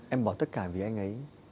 em bỏ tất cả vì anh ấy